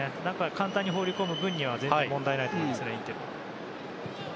簡単に放り込む分にはインテルは全然、問題ないと思います。